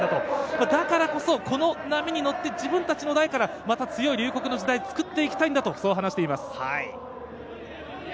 だからこそ波に乗って自分たちの代から強い龍谷のスタイルを作っていきたいと話しています。